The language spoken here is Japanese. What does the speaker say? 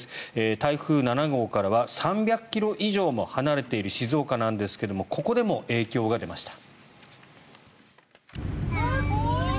台風７号からは３００ｋｍ以上も離れている静岡ですがここでも影響が出ました。